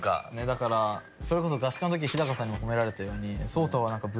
だからそれこそ合宿の時日高さんに褒められたように。